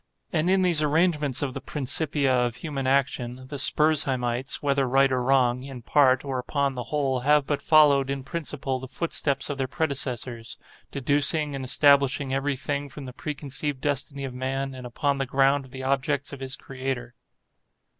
And in these arrangements of the Principia of human action, the Spurzheimites, whether right or wrong, in part, or upon the whole, have but followed, in principle, the footsteps of their predecessors; deducing and establishing every thing from the preconceived destiny of man, and upon the ground of the objects of his Creator.